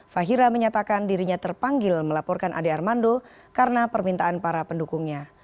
fahira menyatakan dirinya terpanggil melaporkan ade armando karena permintaan para pendukungnya